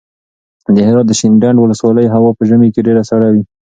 د هرات د شینډنډ ولسوالۍ هوا په ژمي کې ډېره سړه وي.